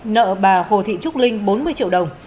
nợ bà hồ thị trúc linh bốn mươi triệu đồng